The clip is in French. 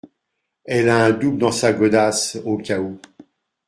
elle a un double dans sa godasse, au cas où.